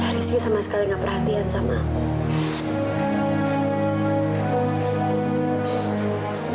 rizky sama sekali gak perhatian sama aku